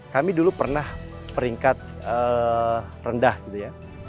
kami dulu pernah peringkat rendah gitu ya